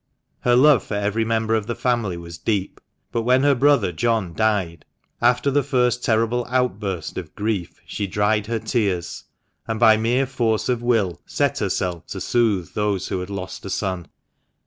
Her love for every member of the family was deep, but when her brother John died, after the first terrible outburst of grief she dried her tears, and by mere force of will set herself to soothe those who had lost a son.